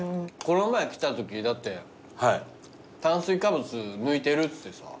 この前来たときだって炭水化物抜いてるっつってさ。